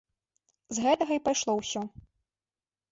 З гэтага і пайшло ўсё.